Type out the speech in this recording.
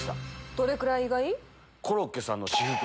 どれくらい意外？